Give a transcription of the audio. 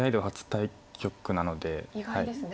意外ですね。